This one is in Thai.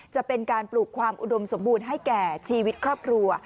จะเป็นการปลูกความอุดมสมบูรณ์ให้แก่ชีวิตครอบครัว